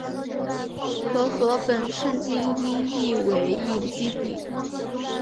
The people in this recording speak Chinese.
和合本圣经音译为隐基底。